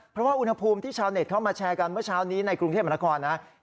เพราะว่าอุณหภูมิที่ชาวเน็ตเข้ามาแชร์กันเมื่อเช้านี้ในกรุงเทพมนาคมนะ